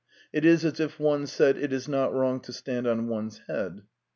It is as if one said ''It is not wrong to stand on one's head."